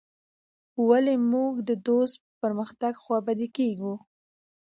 ولي موږ د دوست په پرمختګ خوابدي کيږو.